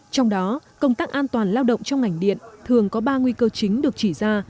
trong đó công tác an toàn lao động trong ngành điện thường có ba nguy cơ chính được chỉ ra